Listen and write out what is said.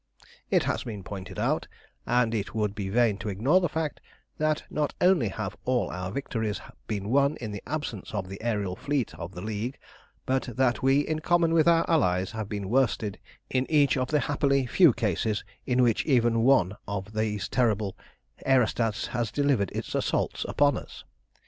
"It has been pointed out, and it would be vain to ignore the fact, that not only have all our victories been won in the absence of the aërial fleets of the League; but that we, in common with our allies, have been worsted in each of the happily few cases in which even one of these terrible aerostats has delivered its assaults upon us.